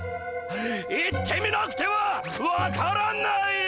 行ってみなくては分からない！